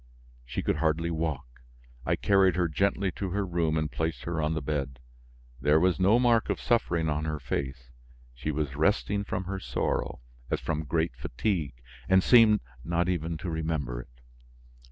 She could hardly walk; I carried her gently to her room and placed her on the bed. There was no mark of suffering on her face: she was resting from her sorrow as from great fatigue and seemed not even to remember it.